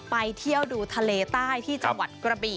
ไปเที่ยวดูทะเลใต้ที่จังหวัดกระบี่